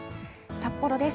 札幌です。